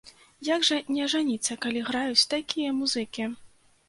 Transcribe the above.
Як жа не ажаніцца, калі граюць такія музыкі!